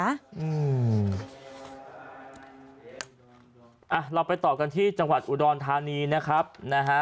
เราไปต่อกันที่จังหวัดอุดรธานีนะครับนะฮะ